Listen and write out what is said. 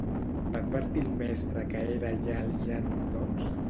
Va advertir el mestre que era allà el Jan, doncs?